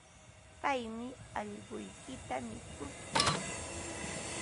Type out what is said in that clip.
Paymi allquykita mikutsin.